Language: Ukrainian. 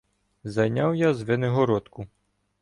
— Зайняв я Звенигородку.